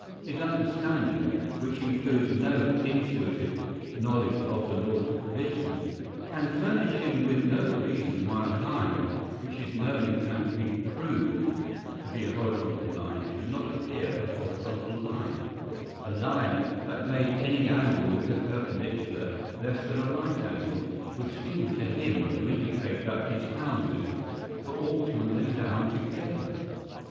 His understanding, which includes no intuitive knowledge of the laws of vision, can furnish him with no reason why a line which is known and can be proved to be a horizontal line, should not appear a horizontal line; a line that made any angle with the perpendicular less than a right angle, would seem to him to indicate that his houses were all tumbling down together.